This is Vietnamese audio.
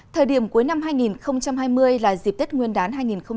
thời điểm cuối năm hai nghìn hai mươi là dịp tết nguyên đán hai nghìn hai mươi